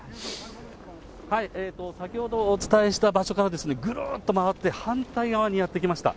先ほどお伝えした場所から、ぐるーっと回って反対側にやって来ました。